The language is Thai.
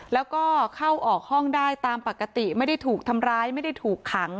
แล้วก็เข้าออกห้องได้ตามปกติไม่ได้ถูกทำร้ายไม่ได้ถูกขัง